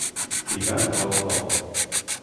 Iban tɣelṭeḍ.